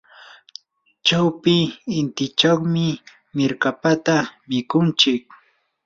chawpi intichawmi mirkapata mikunchik.